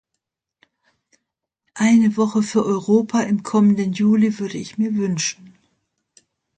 Eine Woche für Europa im kommenden Juli würde ich mir wünschen.